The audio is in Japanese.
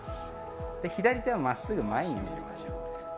左手は真っすぐ前に伸ばしましょう。